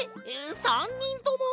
３にんとも！？